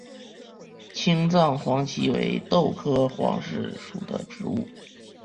青藏黄耆为豆科黄芪属的植物。